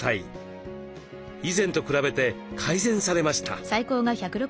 以前と比べて改善されました。